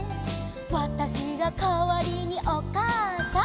「わたしがかわりにおかあさん」